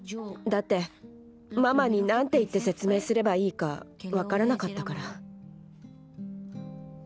だってママに何て言って説明すればいいか分からなかったから。